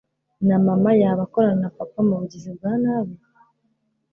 na mama yaba akorana na papa mubugizi bwanabi!!!!!